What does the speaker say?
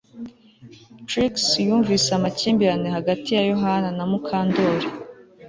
Trix yumvise amakimbirane hagati ya Yohana na Mukandoli